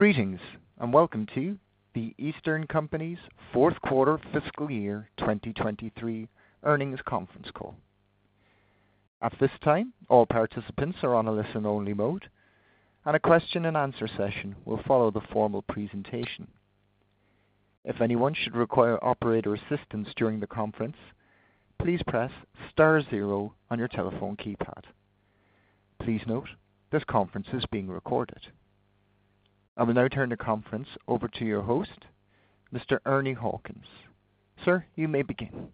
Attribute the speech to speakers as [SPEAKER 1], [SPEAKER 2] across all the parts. [SPEAKER 1] Greetings, and welcome to The Eastern Company’s Fourth Quarter Fiscal Year 2023 Earnings Conference Call. At this time, all participants are on a listen-only mode, and a question-and-answer session will follow the formal presentation. If anyone should require operator assistance during the conference, please press star zero on your telephone keypad. Please note, this conference is being recorded. I will now turn the conference over to your host, Mr. Ernie Hawkins. Sir, you may begin.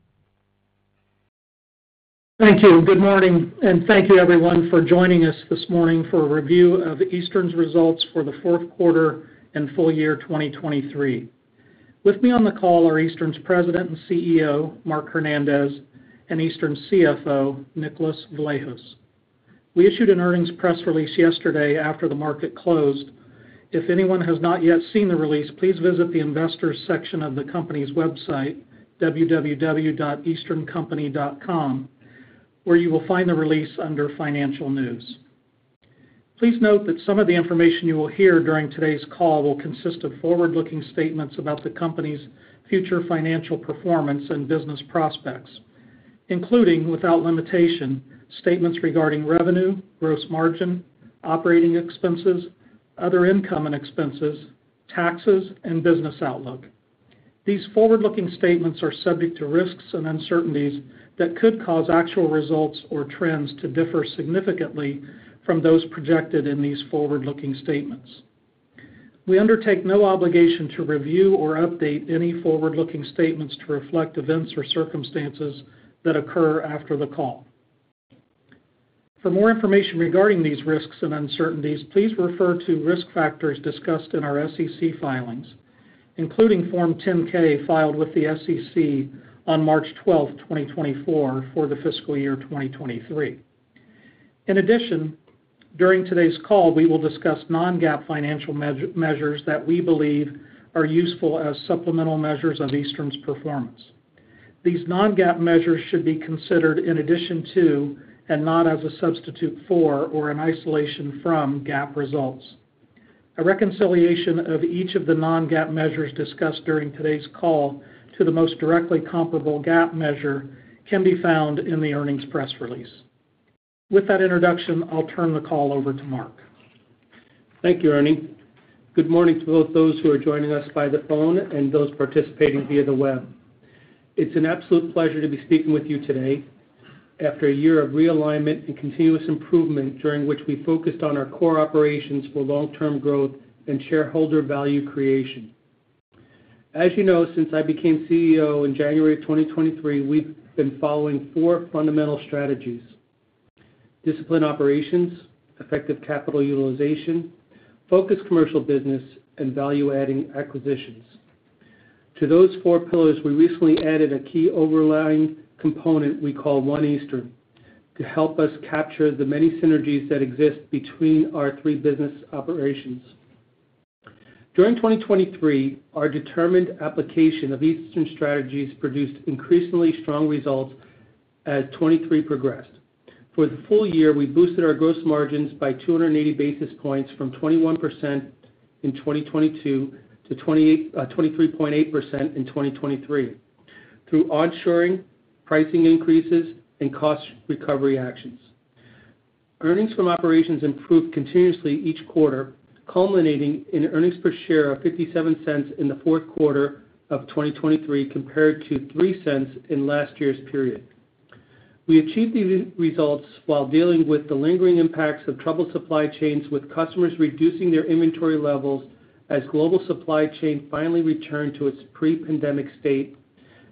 [SPEAKER 2] Thank you. Good morning, and thank you everyone for joining us this morning for a review of Eastern's results for the fourth quarter and full year 2023. With me on the call are Eastern's President and CEO, Mark Hernandez, and Eastern's CFO, Nicholas Vlahos. We issued an earnings press release yesterday after the market closed. If anyone has not yet seen the release, please visit the Investors section of the company's website, www.easterncompany.com, where you will find the release under Financial News. Please note that some of the information you will hear during today's call will consist of forward-looking statements about the company's future financial performance and business prospects, including, without limitation, statements regarding revenue, gross margin, operating expenses, other income and expenses, taxes, and business outlook. These forward-looking statements are subject to risks and uncertainties that could cause actual results or trends to differ significantly from those projected in these forward-looking statements. We undertake no obligation to review or update any forward-looking statements to reflect events or circumstances that occur after the call. For more information regarding these risks and uncertainties, please refer to risk factors discussed in our SEC filings, including Form 10-K, filed with the SEC on March 12th, 2024, for the fiscal year 2023. In addition, during today's call, we will discuss non-GAAP financial measures that we believe are useful as supplemental measures of Eastern's performance. These non-GAAP measures should be considered in addition to, and not as a substitute for or in isolation from, GAAP results. A reconciliation of each of the non-GAAP measures discussed during today's call to the most directly comparable GAAP measure can be found in the earnings press release. With that introduction, I'll turn the call over to Mark.
[SPEAKER 3] Thank you, Ernie. Good morning to both those who are joining us by the phone and those participating via the web. It's an absolute pleasure to be speaking with you today after a year of realignment and continuous improvement, during which we focused on our core operations for long-term growth and shareholder value creation. As you know, since I became CEO in January of 2023, we've been following four fundamental strategies: disciplined operations, effective capital utilization, focused commercial business, and value-adding acquisitions. To those four pillars, we recently added a key overlying component we call One Eastern, to help us capture the many synergies that exist between our three business operations. During 2023, our determined application of Eastern strategies produced increasingly strong results as 2023 progressed. For the full year, we boosted our gross margins by 280 basis points, from 21% in 2022 to 23.8% in 2023, through onshoring, pricing increases, and cost recovery actions. Earnings from operations improved continuously each quarter, culminating in earnings per share of $0.57 in the fourth quarter of 2023, compared to $0.03 in last year's period. We achieved these results while dealing with the lingering impacts of troubled supply chains, with customers reducing their inventory levels as global supply chain finally returned to its pre-pandemic state,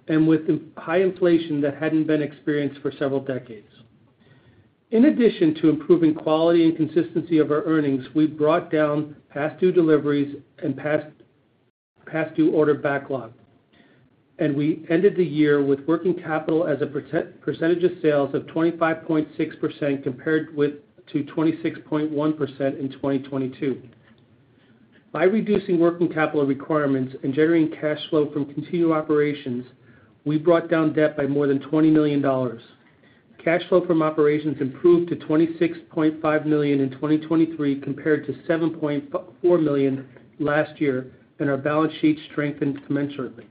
[SPEAKER 3] and with the high inflation that hadn't been experienced for several decades. In addition to improving quality and consistency of our earnings, we brought down past due deliveries and past due order backlog, and we ended the year with working capital as a percentage of sales of 25.6%, compared to 26.1% in 2022. By reducing working capital requirements and generating cash flow from continued operations, we brought down debt by more than $20 million. Cash flow from operations improved to $26.5 million in 2023, compared to $7.4 million last year, and our balance sheet strengthened commensurately.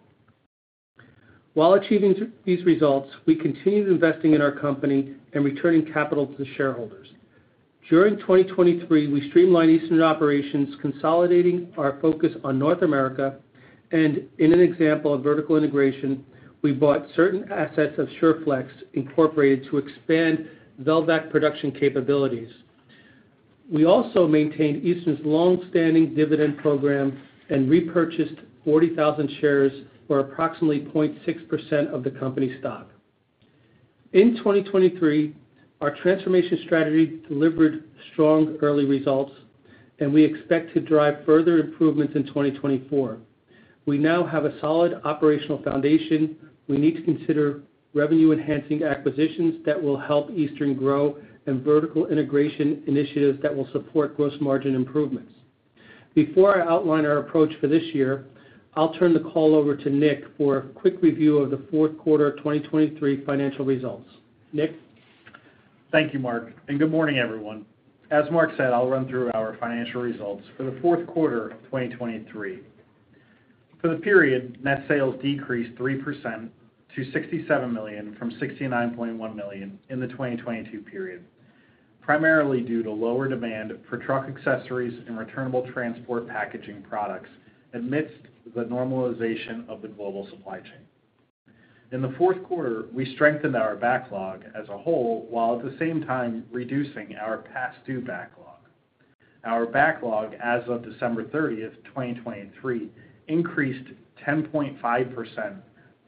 [SPEAKER 3] While achieving these results, we continued investing in our company and returning capital to the shareholders. During 2023, we streamlined Eastern operations, consolidating our focus on North America, and in an example of vertical integration, we bought certain assets of, Inc., to expand Velvac production capabilities. We also maintained Eastern's long-standing dividend program and repurchased 40,000 shares, or approximately 0.6% of the company's stock. In 2023, our transformation strategy delivered strong early results, and we expect to drive further improvements in 2024. We now have a solid operational foundation. We need to consider revenue-enhancing acquisitions that will help Eastern grow and vertical integration initiatives that will support gross margin improvements. Before I outline our approach for this year, I'll turn the call over to Nick for a quick review of the fourth quarter of 2023 financial results. Nick?...
[SPEAKER 4] Thank you, Mark, and good morning, everyone. As Mark said, I'll run through our financial results for the fourth quarter of 2023. For the period, net sales decreased 3% to $67 million from $69.1 million in the 2022 period, primarily due to lower demand for truck accessories and returnable transport packaging products amidst the normalization of the global supply chain. In the fourth quarter, we strengthened our backlog as a whole, while at the same time reducing our past due backlog. Our backlog as of December 30th, 2023, increased 10.5%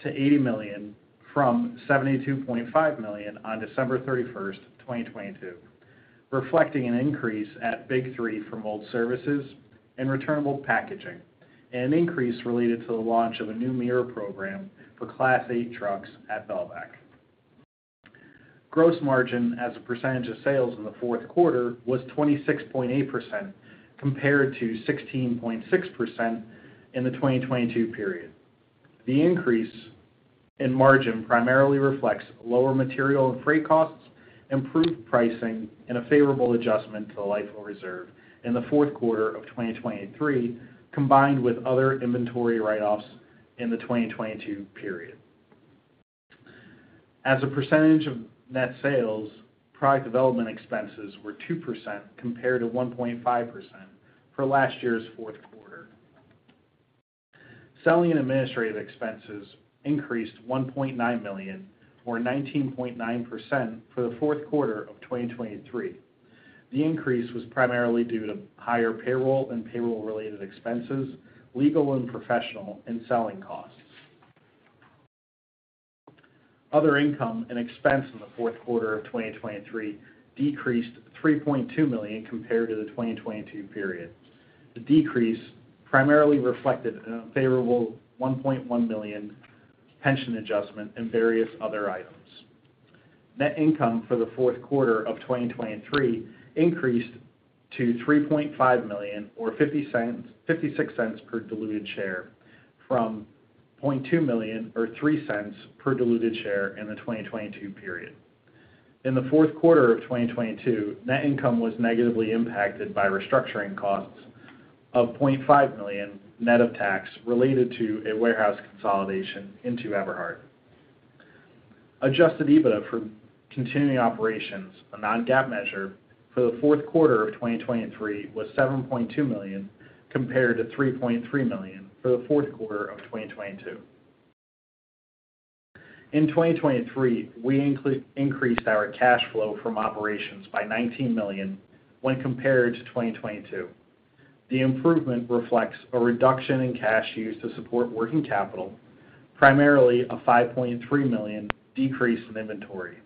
[SPEAKER 4] to $80 million, from $72.5 million on December 31st, 2022, reflecting an increase at Big 3 for mold services and returnable packaging, and an increase related to the launch of a new mirror program for Class 8 trucks at Velvac. Gross margin as a percentage of sales in the fourth quarter was 26.8%, compared to 16.6% in the 2022 period. The increase in margin primarily reflects lower material and freight costs, improved pricing, and a favorable adjustment to the LIFO reserve in the fourth quarter of 2023, combined with other inventory write-offs in the 2022 period. As a percentage of net sales, product development expenses were 2% compared to 1.5% for last year's fourth quarter. Selling and administrative expenses increased $1.9 million, or 19.9%, for the fourth quarter of 2023. The increase was primarily due to higher payroll and payroll-related expenses, legal and professional, and selling costs. Other income and expense in the fourth quarter of 2023 decreased $3.2 million compared to the 2022 period. The decrease primarily reflected an unfavorable $1.1 million pension adjustment and various other items. Net income for the fourth quarter of 2023 increased to $3.5 million, or $0.56 per diluted share, from $0.2 million, or $0.03 per diluted share in the 2022 period. In the fourth quarter of 2022, net income was negatively impacted by restructuring costs of $0.5 million, net of tax, related to a warehouse consolidation into Eberhard. Adjusted EBITDA for continuing operations, a non-GAAP measure, for the fourth quarter of 2023 was $7.2 million, compared to $3.3 million for the fourth quarter of 2022. In 2023, we increased our cash flow from operations by $19 million when compared to 2022. The improvement reflects a reduction in cash used to support working capital, primarily a $5.3 million decrease in inventory.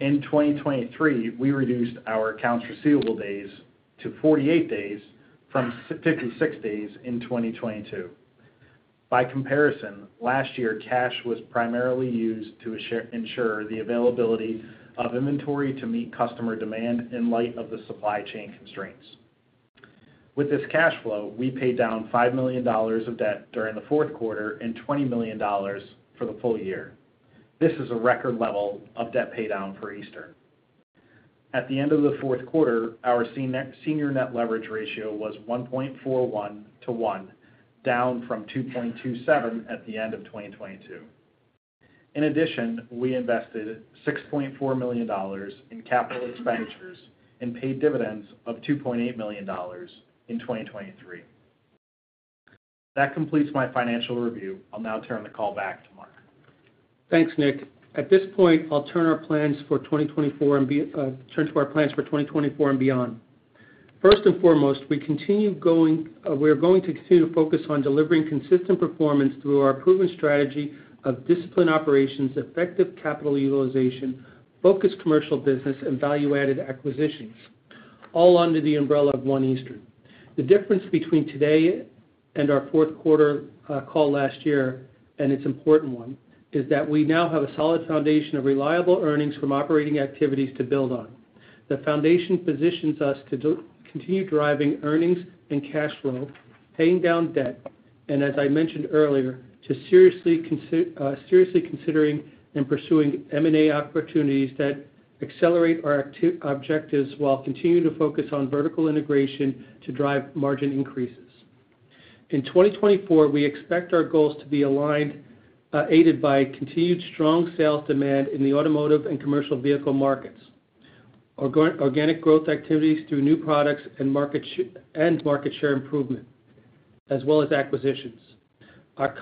[SPEAKER 4] In 2023, we reduced our accounts receivable days to 48 days from 56 days in 2022. By comparison, last year, cash was primarily used to ensure the availability of inventory to meet customer demand in light of the supply chain constraints. With this cash flow, we paid down $5 million of debt during the fourth quarter and $20 million for the full year. This is a record level of debt paydown for Eastern. At the end of the fourth quarter, our senior net leverage ratio was 1.41 to 1, down from 2.27 at the end of 2022. In addition, we invested $6.4 million in capital expenditures and paid dividends of $2.8 million in 2023. That completes my financial review. I'll now turn the call back to Mark.
[SPEAKER 3] Thanks, Nick. At this point, I'll turn our plans for 2024 and turn to our plans for 2024 and beyond. First and foremost, we are going to continue to focus on delivering consistent performance through our proven strategy of disciplined operations, effective capital utilization, focused commercial business, and value-added acquisitions, all under the umbrella of One Eastern. The difference between today and our fourth quarter call last year, and it's an important one, is that we now have a solid foundation of reliable earnings from operating activities to build on. The foundation positions us to continue driving earnings and cash flow, paying down debt, and as I mentioned earlier, to seriously considering and pursuing M&A opportunities that accelerate our objectives, while continuing to focus on vertical integration to drive margin increases. In 2024, we expect our goals to be aligned, aided by continued strong sales demand in the automotive and commercial vehicle markets, organic growth activities through new products and market and market share improvement, as well as acquisitions. Our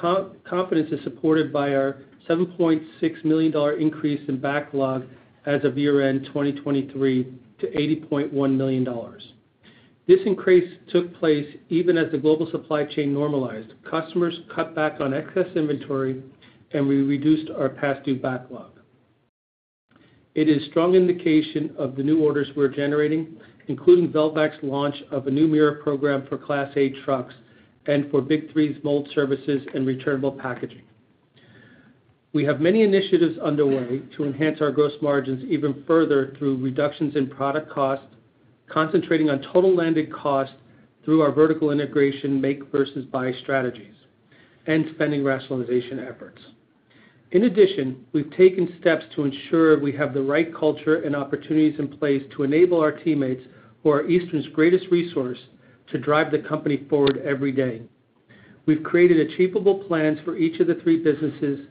[SPEAKER 3] confidence is supported by our $7.6 million increase in backlog as of year-end 2023 to $80.1 million. This increase took place even as the global supply chain normalized. Customers cut back on excess inventory, and we reduced our past due backlog. It is strong indication of the new orders we're generating, including Velvac's launch of a new mirror program for Class A trucks and for Big 3's mold services and returnable packaging. We have many initiatives underway to enhance our gross margins even further through reductions in product cost, concentrating on total landed cost through our vertical integration make versus buy strategies and spending rationalization efforts. In addition, we've taken steps to ensure we have the right culture and opportunities in place to enable our teammates, who are Eastern's greatest resource, to drive the company forward every day. We've created achievable plans for each of the three businesses,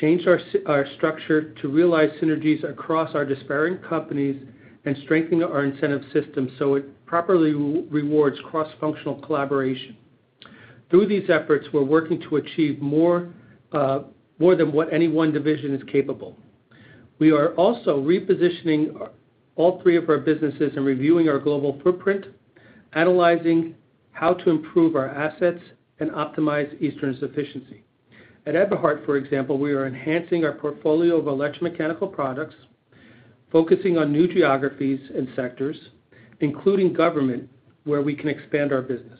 [SPEAKER 3] changed our our structure to realize synergies across our disparate companies, and strengthen our incentive system so it properly rewards cross-functional collaboration. Through these efforts, we're working to achieve more, more than what any one division is capable. We are also repositioning our all three of our businesses and reviewing our global footprint, analyzing how to improve our assets, and optimize Eastern's efficiency. At Eberhard, for example, we are enhancing our portfolio of electromechanical products, focusing on new geographies and sectors, including government, where we can expand our business.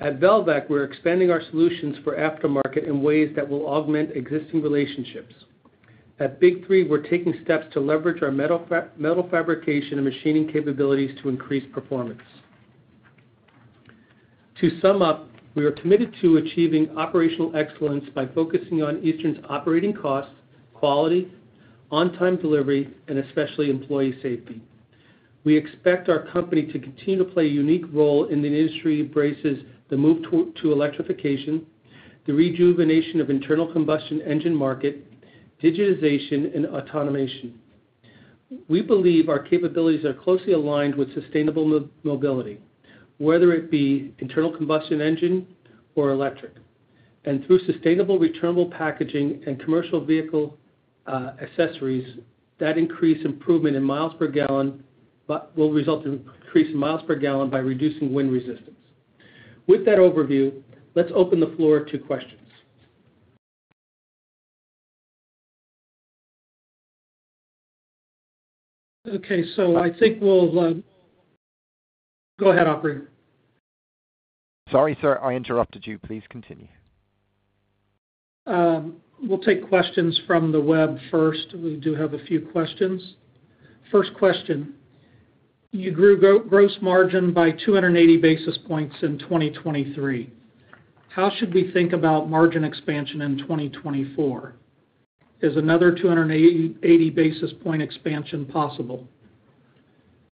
[SPEAKER 3] At Velvac, we're expanding our solutions for aftermarket in ways that will augment existing relationships. At Big 3, we're taking steps to leverage our metal fabrication and machining capabilities to increase performance. To sum up, we are committed to achieving operational excellence by focusing on Eastern's operating costs, quality, on-time delivery, and especially employee safety. We expect our company to continue to play a unique role in the industry, embraces the move to electrification, the rejuvenation of internal combustion engine market, digitization, and automation. We believe our capabilities are closely aligned with sustainable mobility, whether it be internal combustion engine or electric, and through sustainable returnable packaging and commercial vehicle accessories that increase improvement in miles per gallon, but will result in increased miles per gallon by reducing wind resistance. With that overview, let's open the floor to questions.
[SPEAKER 2] Okay, so I think we'll go ahead, operator.
[SPEAKER 1] Sorry, sir, I interrupted you. Please continue.
[SPEAKER 2] We'll take questions from the web first. We do have a few questions. First question: You grew gross margin by 280 basis points in 2023. How should we think about margin expansion in 2024? Is another 280 basis point expansion possible?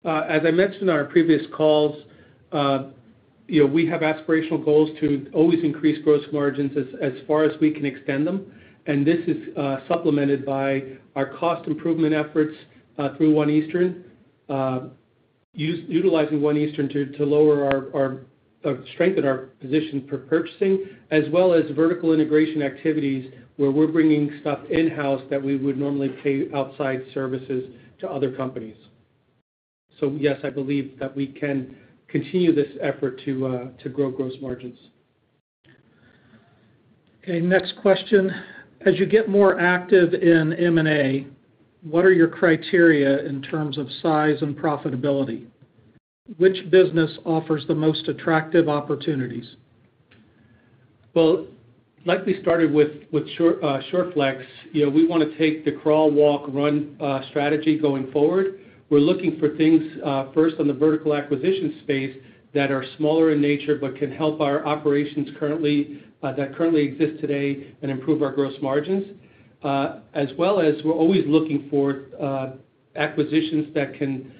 [SPEAKER 3] As I mentioned in our previous calls, you know, we have aspirational goals to always increase gross margins as far as we can extend them, and this is supplemented by our cost improvement efforts through One Eastern. Utilizing One Eastern to lower our, strengthen our position for purchasing, as well as vertical integration activities, where we're bringing stuff in-house that we would normally pay outside services to other companies. So yes, I believe that we can continue this effort to grow gross margins.
[SPEAKER 2] Okay, next question: As you get more active in M&A, what are your criteria in terms of size and profitability? Which business offers the most attractive opportunities?
[SPEAKER 3] Well, like we started with, with Sure,, you know, we wanna take the crawl, walk, run, strategy going forward. We're looking for things, first, on the vertical acquisition space that are smaller in nature, but can help our operations currently, that currently exist today and improve our gross margins. As well as we're always looking for, acquisitions that can,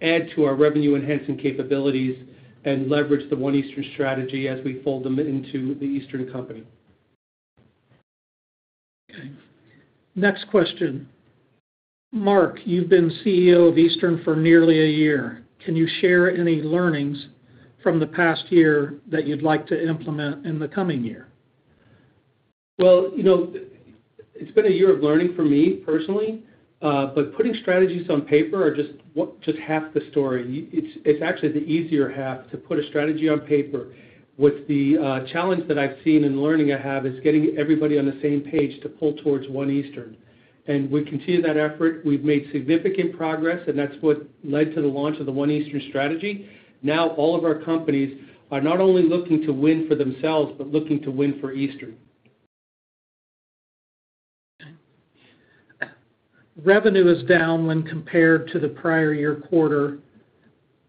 [SPEAKER 3] add to our revenue-enhancing capabilities and leverage the One Eastern strategy as we fold them into the Eastern Company.
[SPEAKER 2] Okay, next question: Mark, you've been CEO of Eastern for nearly a year. Can you share any learnings from the past year that you'd like to implement in the coming year?
[SPEAKER 3] Well, you know, it's been a year of learning for me, personally, but putting strategies on paper are just what—just half the story. It's, it's actually the easier half, to put a strategy on paper. What's the challenge that I've seen and learning I have, is getting everybody on the same page to pull towards One Eastern, and we continue that effort. We've made significant progress, and that's what led to the launch of the One Eastern strategy. Now, all of our companies are not only looking to win for themselves, but looking to win for Eastern.
[SPEAKER 2] Revenue is down when compared to the prior year quarter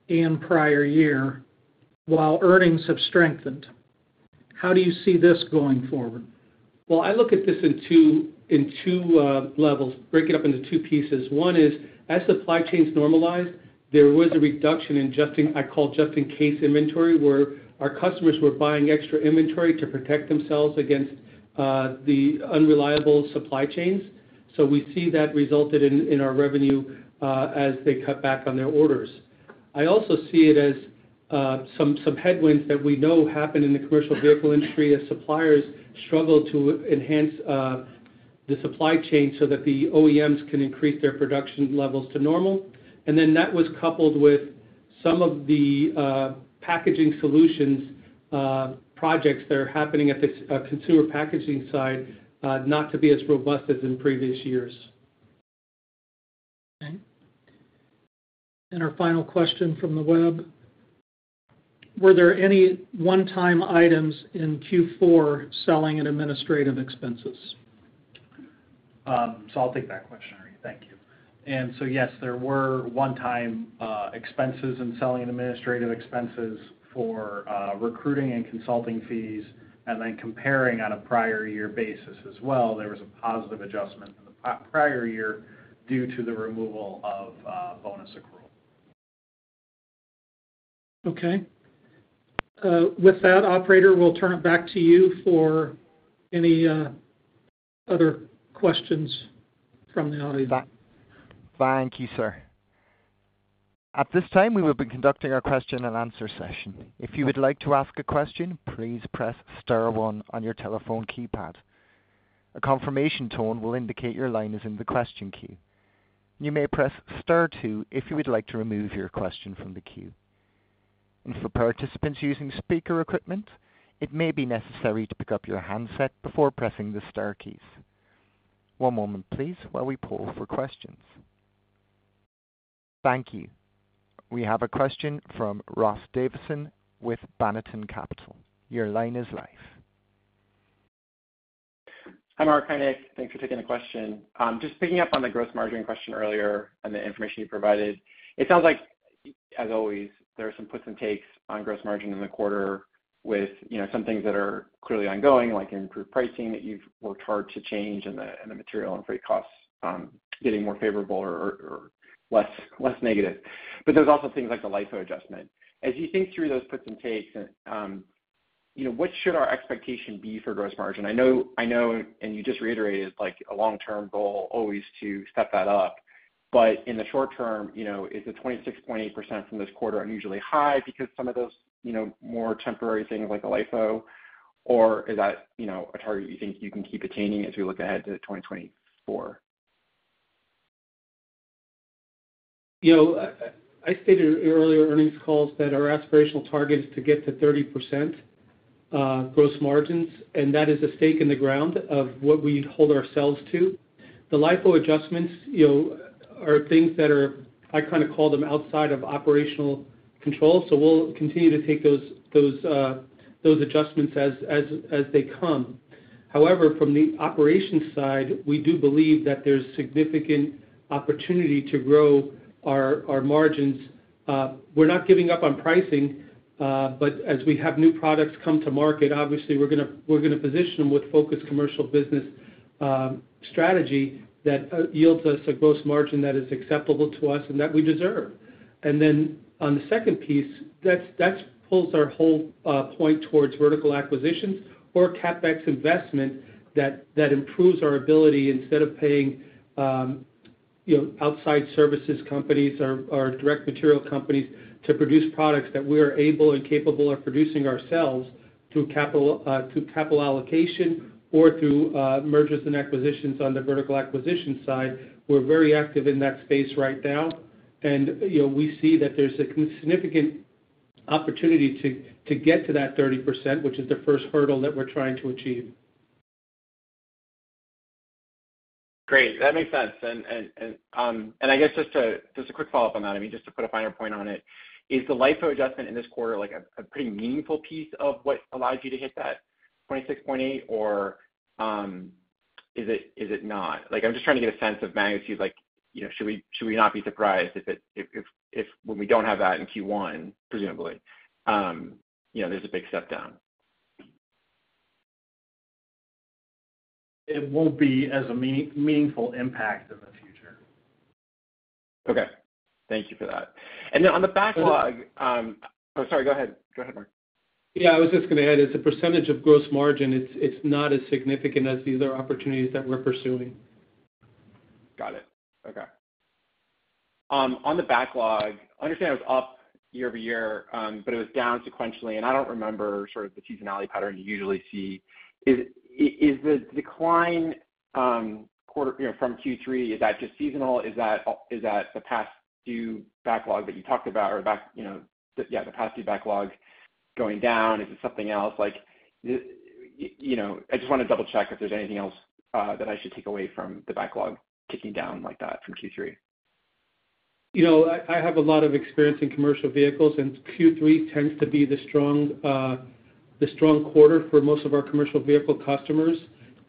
[SPEAKER 2] and prior year, while earnings have strengthened. How do you see this going forward?
[SPEAKER 3] Well, I look at this in two levels, break it up into two pieces. One is, as supply chains normalize, there was a reduction in just-in-case inventory, where our customers were buying extra inventory to protect themselves against the unreliable supply chains. So we see that resulted in our revenue as they cut back on their orders. I also see it as some headwinds that we know happen in the commercial vehicle industry as suppliers struggle to enhance the supply chain so that the OEMs can increase their production levels to normal. And then, that was coupled with some of the packaging solutions projects that are happening at the consumer packaging side, not to be as robust as in previous years.
[SPEAKER 2] Okay. And our final question from the web: Were there any one-time items in Q4 selling and administrative expenses? ...
[SPEAKER 3] so I'll take that question, Ernie. Thank you. And so, yes, there were one-time expenses in selling and administrative expenses for recruiting and consulting fees, and then comparing on a prior year basis as well, there was a positive adjustment in the prior year due to the removal of bonus accrual.
[SPEAKER 2] Okay. With that, operator, we'll turn it back to you for any other questions from the audience.
[SPEAKER 1] Thank you, sir. At this time, we will be conducting our question and answer session. If you would like to ask a question, please press star one on your telephone keypad. A confirmation tone will indicate your line is in the question queue. You may press star two if you would like to remove your question from the queue. And for participants using speaker equipment, it may be necessary to pick up your handset before pressing the star keys. One moment please, while we poll for questions. Thank you. We have a question from Ross Davisson with Banneton Capital. Your line is live.
[SPEAKER 5] Hi, Mark Hernandez. Thanks for taking the question. Just picking up on the gross margin question earlier and the information you provided, it sounds like, as always, there are some puts and takes on gross margin in the quarter with, you know, some things that are clearly ongoing, like improved pricing that you've worked hard to change and the material and freight costs getting more favorable or less negative. But there's also things like the LIFO adjustment. As you think through those puts and takes, and you know, what should our expectation be for gross margin? I know, I know, and you just reiterated, like, a long-term goal always to step that up. But in the short term, you know, is the 26.8% from this quarter unusually high because some of those, you know, more temporary things like the LIFO, or is that, you know, a target you think you can keep attaining as we look ahead to 2024?
[SPEAKER 3] You know, I stated in earlier earnings calls that our aspirational target is to get to 30% gross margins, and that is a stake in the ground of what we hold ourselves to. The LIFO adjustments, you know, are things that are, I kind of call them outside of operational control, so we'll continue to take those adjustments as they come. However, from the operations side, we do believe that there's significant opportunity to grow our margins. We're not giving up on pricing, but as we have new products come to market, obviously, we're gonna position them with focused commercial business strategy that yields us a gross margin that is acceptable to us and that we deserve. Then on the second piece, that's pulls our whole point towards vertical acquisitions or CapEx investment that improves our ability, instead of paying, you know, outside services companies or direct material companies to produce products that we are able and capable of producing ourselves through capital through capital allocation or through mergers and acquisitions on the vertical acquisition side. We're very active in that space right now, and, you know, we see that there's a significant opportunity to get to that 30%, which is the first hurdle that we're trying to achieve.
[SPEAKER 5] Great, that makes sense. And I guess just a quick follow-up on that, I mean, just to put a finer point on it, is the LIFO adjustment in this quarter like a pretty meaningful piece of what allows you to hit that 26.8, or is it not? Like, I'm just trying to get a sense of magnitude, like, you know, should we not be surprised if it, if when we don't have that in Q1, presumably, you know, there's a big step down?
[SPEAKER 3] It won't be as a meaningful impact in the future.
[SPEAKER 5] Okay. Thank you for that. And then on the backlog, Oh, sorry, go ahead. Go ahead, Mark.
[SPEAKER 3] Yeah, I was just gonna add, as a percentage of gross margin, it's, it's not as significant as these other opportunities that we're pursuing.
[SPEAKER 5] Got it. Okay. On the backlog, I understand it was up year over year, but it was down sequentially, and I don't remember sort of the seasonality pattern you usually see. Is the decline quarter, you know, from Q3, is that just seasonal? Is that the past due backlog that you talked about or, you know, the, yeah, the past due backlog going down? Is it something else? Like, you know, I just wanna double-check if there's anything else that I should take away from the backlog ticking down like that from Q3.
[SPEAKER 3] You know, I have a lot of experience in commercial vehicles, and Q3 tends to be the strong, the strong quarter for most of our commercial vehicle customers,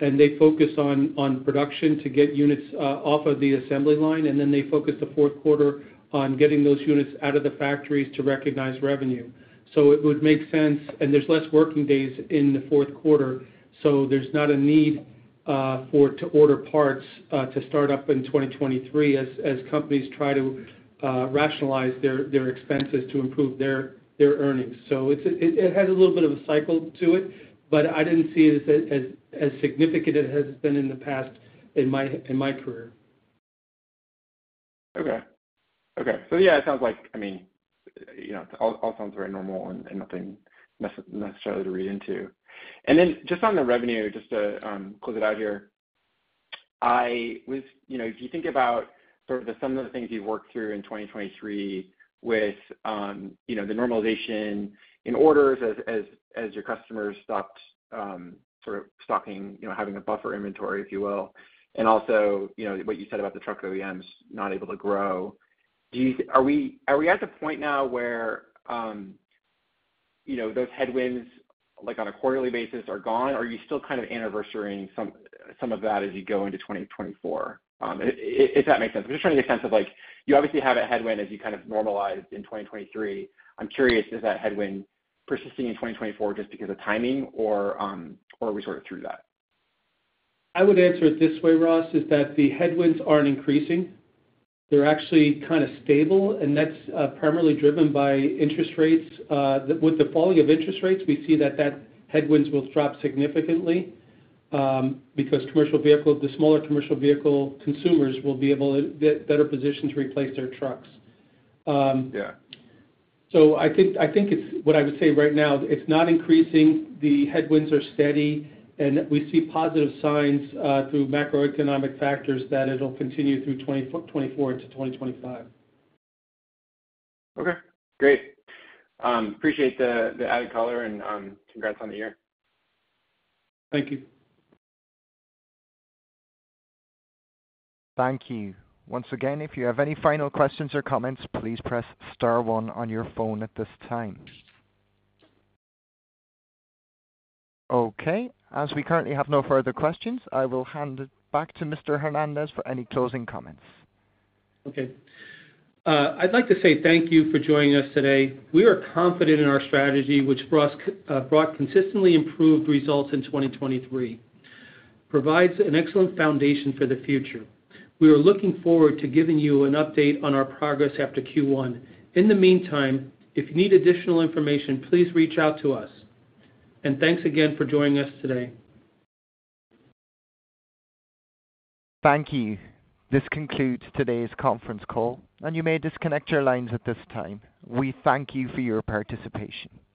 [SPEAKER 3] and they focus on, on production to get units, off of the assembly line, and then they focus the fourth quarter on getting those units out of the factories to recognize revenue. So it would make sense, and there's less working days in the fourth quarter, so there's not a need, for to order parts, to start up in 2023 as, as companies try to, rationalize their, their expenses to improve their, their earnings. So it's, it, it has a little bit of a cycle to it, but I didn't see it as, as, as significant as it has been in the past in my, in my career.
[SPEAKER 5] Okay. Okay. So yeah, it sounds like, I mean, you know, it all, all sounds very normal and, and nothing necessarily to read into. And then just on the revenue, just to close it out here, I was you know, if you think about sort of some of the things you've worked through in 2023 with, you know, the normalization in orders as your customers stopped sort of stocking, you know, having a buffer inventory, if you will, and also, you know, what you said about the truck OEMs not able to grow, do you are we, are we at the point now where you know, those headwinds, like on a quarterly basis, are gone? Or are you still kind of anniversarying some of that as you go into 2024, if that makes sense. I'm just trying to get a sense of, like, you obviously have a headwind as you kind of normalize in 2023. I'm curious, is that headwind persisting in 2024 just because of timing or, or are we sort of through that?
[SPEAKER 3] I would answer it this way, Ross, is that the headwinds aren't increasing. They're actually kind of stable, and that's primarily driven by interest rates. With the falling of interest rates, we see that that headwinds will drop significantly, because commercial vehicle—the smaller commercial vehicle consumers will be able to be better positioned to replace their trucks.
[SPEAKER 5] Yeah.
[SPEAKER 3] So I think, I think it's what I would say right now, it's not increasing. The headwinds are steady, and we see positive signs through macroeconomic factors that it'll continue through 2024 to 2025.
[SPEAKER 5] Okay, great. Appreciate the added color and congrats on the year.
[SPEAKER 3] Thank you.
[SPEAKER 1] Thank you. Once again, if you have any final questions or comments, please press star one on your phone at this time. Okay, as we currently have no further questions, I will hand it back to Mr. Hernandez for any closing comments.
[SPEAKER 3] Okay. I'd like to say thank you for joining us today. We are confident in our strategy, which brought consistently improved results in 2023, provides an excellent foundation for the future. We are looking forward to giving you an update on our progress after Q1. In the meantime, if you need additional information, please reach out to us. Thanks again for joining us today.
[SPEAKER 1] Thank you. This concludes today's conference call, and you may disconnect your lines at this time. We thank you for your participation.